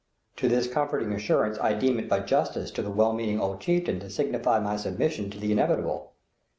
To this comforting assurance I deem it but justice to the well meaning old chieftain to signify my submission to the inevitable.